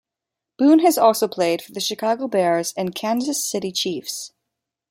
Boone has also played for the Chicago Bears and Kansas City Chiefs.